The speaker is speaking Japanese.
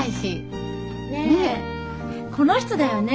ねえこの人だよね？